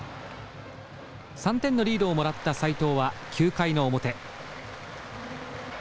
３点のリードをもらった斎藤は９回の表。